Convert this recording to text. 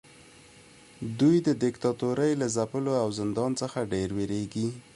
دوی د دیکتاتورۍ له ځپلو او زندان څخه ډیر ویریږي.